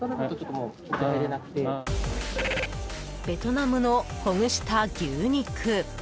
ベトナムのほぐした牛肉。